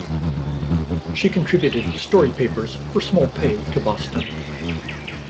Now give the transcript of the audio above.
She contributed story papers for small pay to Boston.